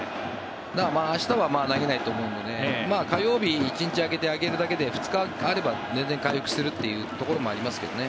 明日は投げないと思うので火曜日、１日空けてあげるだけで２日あれば全然回復するところもありますけどね。